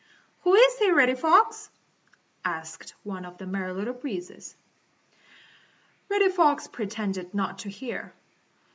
"Who is he, Reddy Fox?" asked one of the Merry Little Breezes. Reddy Fox pretended not to hear.